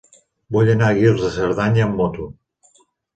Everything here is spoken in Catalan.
Vull anar a Guils de Cerdanya amb moto.